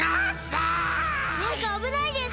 マイカあぶないです！